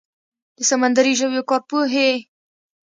د سمندري ژویو کارپوهې